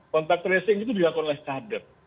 kontak tracing itu dilakukan oleh kader